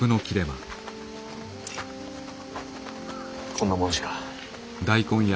こんなもんしか。